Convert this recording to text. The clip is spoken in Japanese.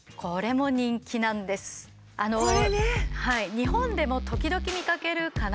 日本でも時々見かけるかな。